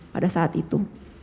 pada saat itu